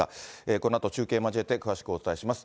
このあと、中継交えて詳しくお伝えします。